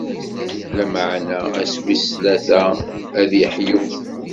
Lameɛna ass wis tlata, ad d-iḥyu.